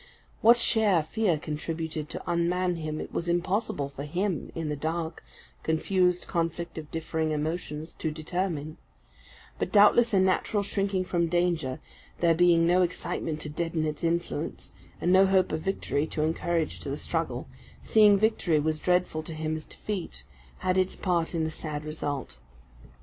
What share fear contributed to unman him, it was impossible for him, in the dark, confused conflict of differing emotions, to determine; but doubtless a natural shrinking from danger, there being no excitement to deaden its influence, and no hope of victory to encourage to the struggle, seeing victory was dreadful to him as defeat, had its part in the sad result.